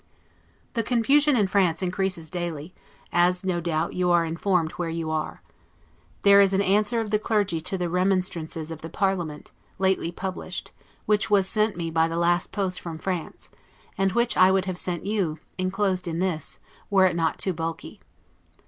The confusion in France increases daily, as, no doubt, you are informed where you are. There is an answer of the clergy to the remonstrances of the parliament, lately published, which was sent me by the last post from France, and which I would have sent you, inclosed in this, were it not too bulky.